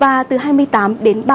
và từ hai mươi tám đến ba mươi hai độ